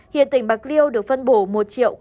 hiện tỉnh bạc liêu được phân bổ một sáu